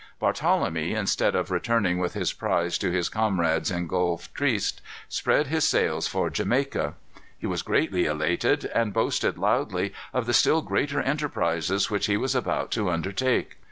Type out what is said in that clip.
Barthelemy, instead of returning with his prize to his comrades in Gulf Triste, spread his sails for Jamaica. He was greatly elated, and boasted loudly of the still greater enterprises which he was about to undertake.